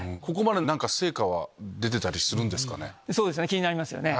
気になりますよね。